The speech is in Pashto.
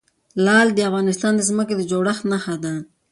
لعل د افغانستان د ځمکې د جوړښت نښه ده.